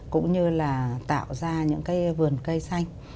cũng như là tạo ra những cái vườn cây xanh